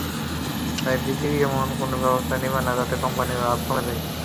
তাই বিজেপি এমন কোনো ব্যবস্থা নেবে না, যাতে কোম্পানির লাভ কমে যায়।